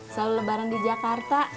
selalu lebaran di jakarta